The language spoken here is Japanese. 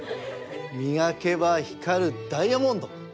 みがけばひかるダイヤモンド！